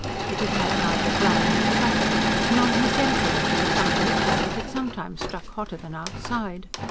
It had had neither blind nor shutter; and, on his entering it of a summer midday, it had sometimes struck hotter than outside.